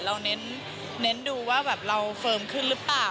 เราเน้นดูว่าแบบเราเฟิร์มขึ้นหรือเปล่า